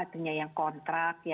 artinya yang kontrak